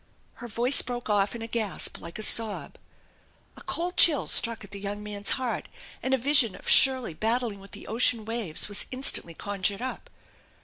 Her voice broke off in a gasp like a sob. A cold chill struck at the young man's heart, and a vision of Shirley battling with the ocean waves was instantly con jured up.